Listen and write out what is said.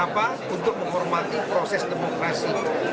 apa untuk menghormati proses demokrasi